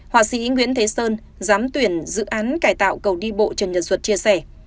họa sĩ nguyễn thế sơn giám tuyển dự án cải tạo cầu đi bộ trần nhật duật chia sẻ